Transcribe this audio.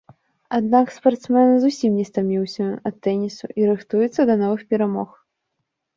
Аднак спартсмен зусім не стаміўся ад тэнісу і рыхтуецца да новых перамог.